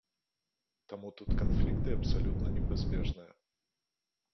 Таму тут канфлікты абсалютна непазбежныя.